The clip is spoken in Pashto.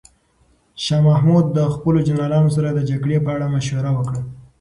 شاه محمود د خپلو جنرالانو سره د جګړې په اړه مشوره وکړه.